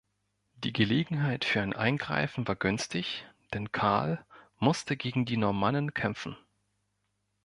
Die Gelegenheit für ein Eingreifen war günstig, denn Karl musste gegen die Normannen kämpfen.